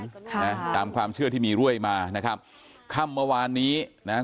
ค่ะนะตามความเชื่อที่มีเรื่อยมานะครับค่ำเมื่อวานนี้นะฮะ